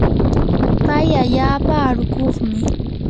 pay allaapa arukuqmi.